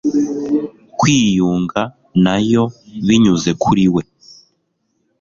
kwiyunga na yo binyuze kuri we